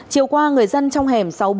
chiều qua người dân trong hẻm